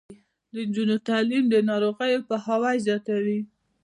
د نجونو تعلیم د ناروغیو پوهاوی زیاتوي.